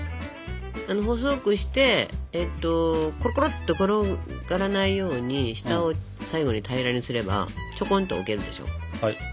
細くしてコロコロっと転がらないように下を最後に平らにすればちょこんと置けるでしょ。